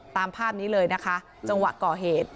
ตามภาพนี้เลยนะคะจังหวะก่อเหตุ